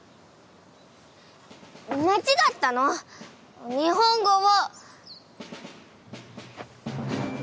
間違ったの日本語を！